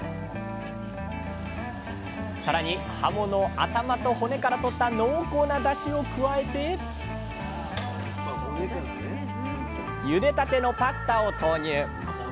さらにはもの頭と骨からとった濃厚なだしを加えてゆでたてのパスタを投入！